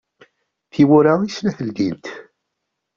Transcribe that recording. Tiwwura i snat ldint.